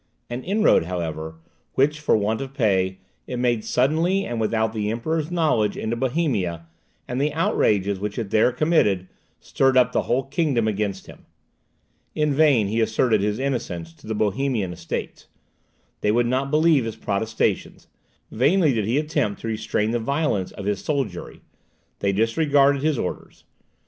An inroad, however, which, for want of pay it made suddenly and without the Emperor's knowledge into Bohemia, and the outrages which it there committed, stirred up the whole kingdom against him. In vain he asserted his innocence to the Bohemian Estates; they would not believe his protestations; vainly did he attempt to restrain the violence of his soldiery; they disregarded his orders.